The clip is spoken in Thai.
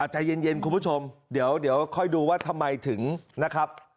ใจเย็นคุณผู้ชมเดี๋ยวค่อยดูว่าทำไมถึงนะครับ